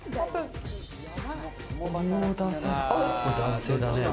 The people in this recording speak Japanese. ここは男性だね。